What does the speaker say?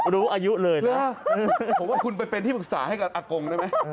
รู้อายุเลยนะผมว่าคุณไปเป็นที่ปรึกษาให้กับอากงได้ไหม